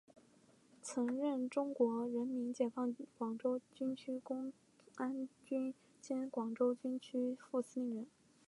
曾任中国人民解放军广州军区公安军兼广东军区副司令员。